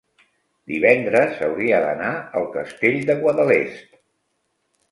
Divendres hauria d'anar al Castell de Guadalest.